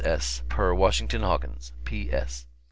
S. S., per WASHINGTON HAWKINS, P. S."